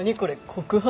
告白？